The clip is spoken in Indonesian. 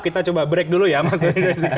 kita coba break dulu ya mas